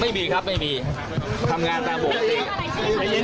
ไม่มีครับไม่มีทำงานตามภูมิไม่เครียดไม่เครียด